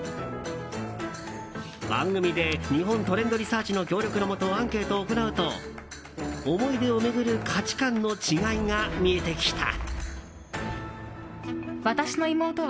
番組で日本トレンドリサーチの協力のもとアンケートを行うと思い出を巡る価値観の違いが見えてきた。